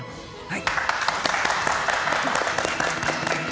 はい。